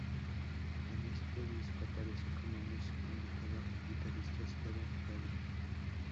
En este disco aparece como músico invitado el guitarrista Steve Howe.